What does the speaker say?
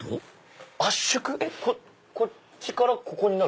こっちからここになる？